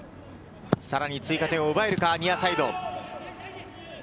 さらに追加点を奪えるかニアサイド。